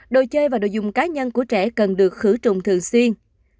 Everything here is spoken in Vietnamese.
đồ chơi và đồ dùng cá nhân của trẻ cần được khử trùng thường xuyên